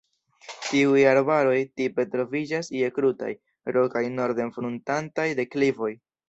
Tiuj arbaroj tipe troviĝas je krutaj, rokaj norden-fruntantaj deklivoj.